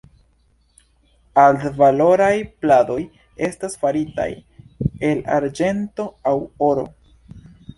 Altvaloraj pladoj estas faritaj el arĝento aŭ oro.